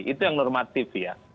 itu yang normatif ya